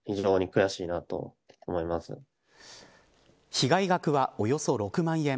被害額は、およそ６万円。